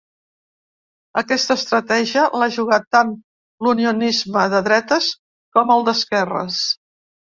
Aquesta estratègia l’ha jugat tant l’unionisme de dretes com el d’esquerres.